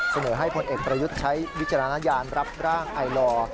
เสนอให้พลเอกประยุทธ์ใช้วิจารณญาณรับร่างไอลอร์